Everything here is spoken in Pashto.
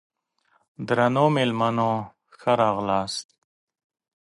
درنو مېلمنو ښه راغلاست!